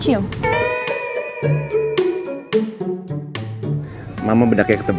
yah kan mendingan cium